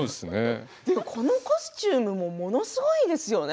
でも、このコスチュームもものすごいですよね。